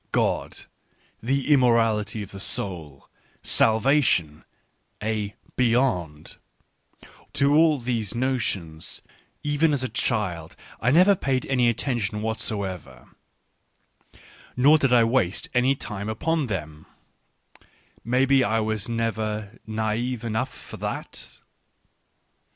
—" God," " the immortality of the soul," "salvation," a "beyond" — to all these notions, even as a child, I never paid any attention whatso ever, nor did I waste any time upon them, — maybe I was never naif enough for that